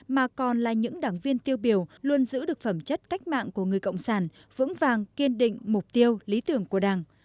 mà còn là những đảng viên tiêu biểu luôn giữ được phẩm chất cách mạng của người cộng sản vững vàng kiên định mục tiêu lý tưởng của đảng